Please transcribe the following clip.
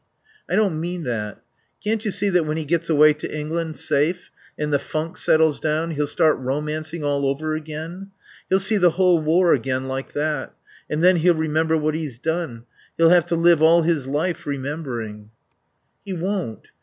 "I don't mean that. Can't you see that when he gets away to England, safe, and the funk settles down he'll start romancing all over again. He'll see the whole war again like that; and then he'll remember what he's done. He'll have to live all his life remembering...." "He won't.